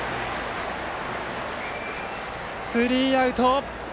スリーアウト。